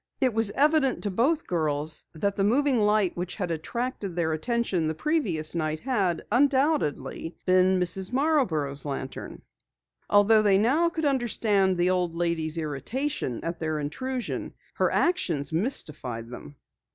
It was evident to both girls that the moving light which had attracted their attention the previous night had, undoubtedly, been Mrs. Marborough's lantern. Although they now could understand the old lady's irritation at their intrusion, her actions mystified them.